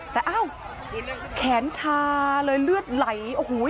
แต่แขนชาเลยเลือดไหล